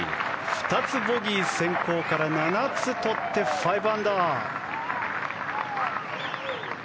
２つボギー先行から７つとって５アンダーです。